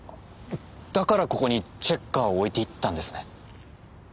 だからここにチェッカーを置いていったんですね。